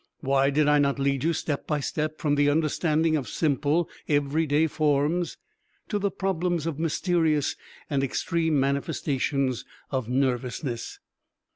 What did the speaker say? Why did I not lead you step by step from the understanding of simple, everyday forms to the problems of mysterious and extreme manifestations of nervousness?